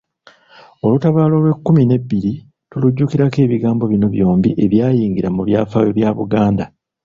Olutabaalo olw'ekkumi n'ebbiri tulujjukirako ebigambo bino byombi ebyayingira mu byafaayo bya Buganda.